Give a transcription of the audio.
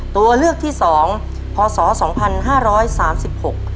ตัวเลือกที่สองพศสองพันห้าร้อยสามสิบหก